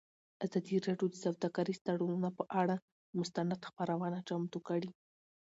ازادي راډیو د سوداګریز تړونونه پر اړه مستند خپرونه چمتو کړې.